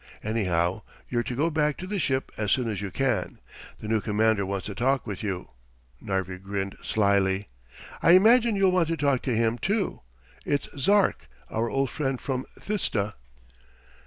Anyhow, you're to go back to the ship as soon as you can. The new commander wants to talk with you." Narvi grinned slyly. "I imagine you'll want to talk to him too. It's Zark, our old friend from Thista."